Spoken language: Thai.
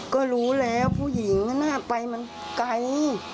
ก็รู้แล้วผู้หญิงน่าไปมันไกล